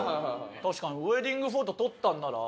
確かにウェディングフォト撮ったんなら。